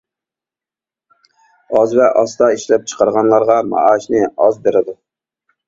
ئاز ۋە ئاستا ئىشلەپ چىقارغانلارغا مائاشنى ئاز بېرىدۇ.